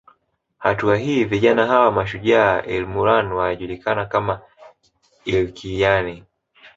Hatua hii vijana hawa mashujaa ilmurran wanajulikana kama ilkiliyani